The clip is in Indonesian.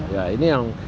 ya ini yang